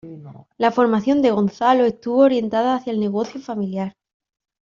La formación de Gonzalo estuvo orientada hacia el negocio familiar.